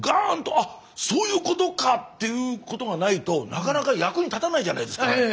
「あっそういうことか！」っていうことがないとなかなか役に立たないじゃないですか。